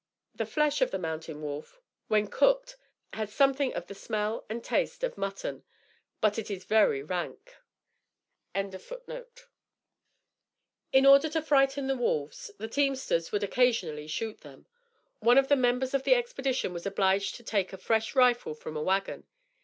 The flesh of the mountain wolf, when cooked, has something of the smell and taste of mutton, but it is very rank.] In order to frighten the wolves, the teamsters would occasionally shoot them. One of the members of the expedition was obliged to take a fresh rifle from a wagon.